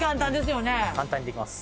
簡単にできます。